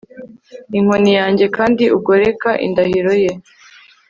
inkoni yanjye kandi ugoreka indahiro ye